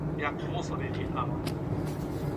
I was quite shocked by it.